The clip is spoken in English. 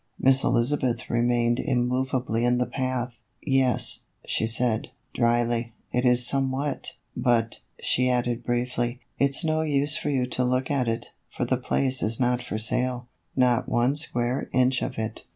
Miss Elizabeth remained immovably in the path. " Yes," she said, dryly, " it is somewhat ; but," she added briefly, " it 's no use for you to look at it, for the place is not for sale, not one square inch of it."